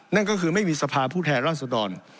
นั่นก็คือไม่มีสภาพผู้แทนราษดร